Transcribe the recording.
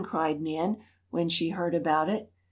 cried Nan, when she heard about it.